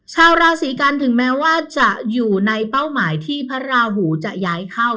ชาวราศีกันถึงแม้ว่าจะอยู่ในเป้าหมายที่พระราหูจะย้ายเข้า